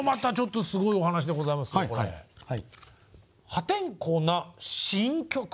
「破天荒な新曲」